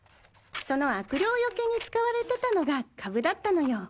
その悪霊よけに使われてたのがカブだったのよ。